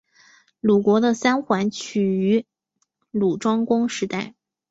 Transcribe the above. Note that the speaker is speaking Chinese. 鲁国的三桓起于鲁庄公时代。